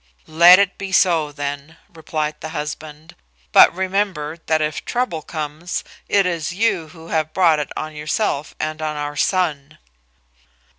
"Let it be so, then," replied the husband; "but remember that if trouble comes, it is you who have brought it on yourself and on our son."